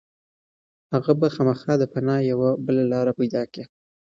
هغه به خامخا د پناه یوه بله لاره پيدا کړي.